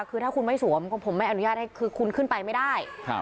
คือท่ะคุณไม่สวมไปไม่ได้ค่ะ